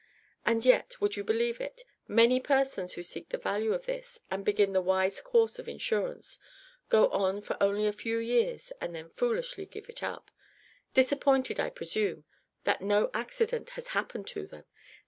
And yet, would you believe it, many persons who see the value of this, and begin the wise course of insurance, go on for only a few years and then foolishly give it up disappointed, I presume, that no accident has happened to them!